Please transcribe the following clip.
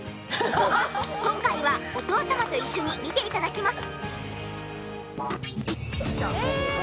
今回はお父様と一緒に見て頂きます。